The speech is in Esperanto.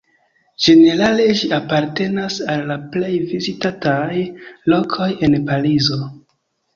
Ĝenerale ĝi apartenas al la plej vizitataj lokoj en Parizo.